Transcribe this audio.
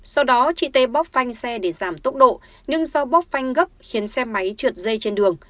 sau đó chị tê bóp phanh xe để giảm tốc độ nhưng do bóp phanh gấp khiến xe máy trượt dây trên đường